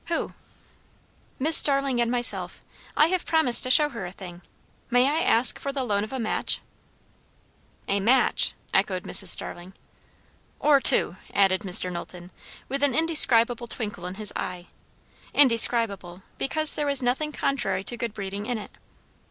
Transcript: "Who?" "Miss Starling and myself. I have promised to show her a thing. May I ask for the loan of a match?" "A match!" echoed Mrs. Starling. "Or two," added Mr. Knowlton, with an indescribable twinkle in his eye; indescribable because there was nothing contrary to good breeding in it.